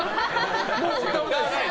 もう歌わないです。